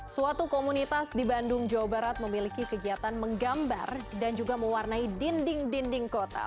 suatu komunitas di bandung jawa barat memiliki kegiatan menggambar dan juga mewarnai dinding dinding kota